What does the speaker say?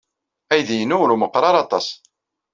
Aydi-inu ur meɣɣer ara aṭas.